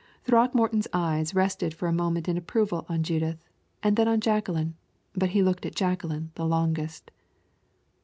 Throckmorton's eye rested for a moment in approval on Judith, and then on Jacqueline, but he looked at Jacqueline the longest.